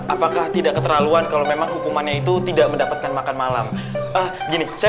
apakah tidak keterlaluan kalau memang hukumannya itu tidak mendapatkan makan malam gini saya